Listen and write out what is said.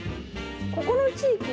ここの地域。